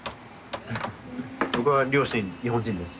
僕は両親日本人です。